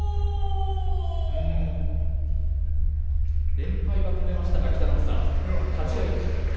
連敗は止めましたが北の富士さん。